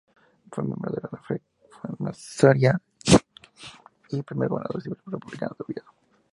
Fue miembro de la francmasonería y primer gobernador civil republicano de Oviedo.